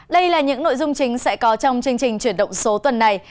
đây là những nội dung chính sẽ có trong chương trình chuyển động số tuần này